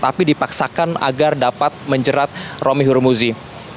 tapi dipaksakan agar dapat menjerat romi hurmuzi